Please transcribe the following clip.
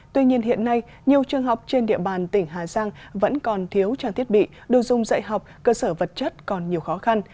tuy nhiên hiện nay nhiều trường học trên địa bàn tỉnh hà giang vẫn còn thiếu trang thiết bị đồ dung dạy học cơ sở vật chất còn nhiều khó khăn